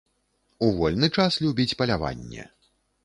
У вольны час любіць паляванне.